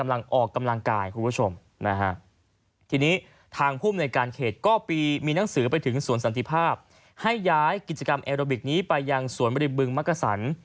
แล้วเขาเต้นกันประมาณ